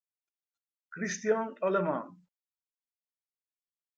Christian Alemán